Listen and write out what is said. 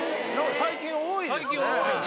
最近多いね。